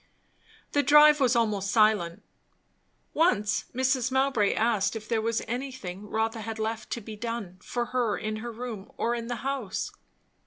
The drive was almost silent. Once Mrs. Mowbray asked if there was anything Rotha had left to be done for her in her room or in the house?